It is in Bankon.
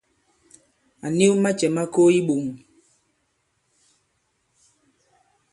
À niw macɛ̌ ma ko i iɓoŋ.